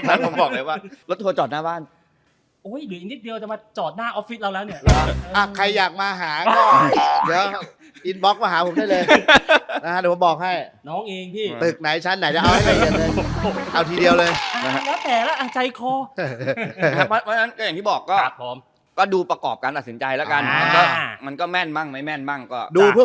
ผมบอกเลยว่ารถทัวร์จอดหน้าบ้านโอ้ยเดี๋ยวอีกนิดเดียวจะมาจอดหน้าออฟฟิศเราแล้วเนี้ยหรออ่าใครอยากมาหาก็เดี๋ยวอินบล็อกมาหาผมได้เลยนะฮะเดี๋ยวผมบอกให้น้องเองพี่ตึกไหนชั้นไหนจะเอาให้เรียนเลยเอาทีเดียวเลยอ่าแล้วแต่ล่ะอ่าใจคอฮ่าฮ่าฮ่าเพราะฉะนั้นก็อย่างที่บอก